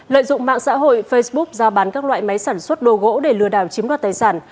lợi dụng mạng xã hội facebook giao bán các loại máy sản xuất đồ gỗ để lừa đảo chiếm đoạt tài sản